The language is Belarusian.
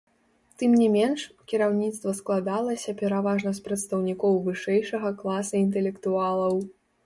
Тым не менш, кіраўніцтва складалася пераважна з прадстаўнікоў вышэйшага класа інтэлектуалаў.